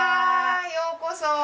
ようこそ。